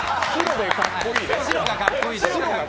白がかっこいいと。